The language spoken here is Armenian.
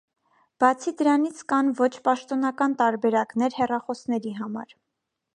Բացի դրանից կան ոչ պաշտոնական տարբերակներ հեռախոսների համար։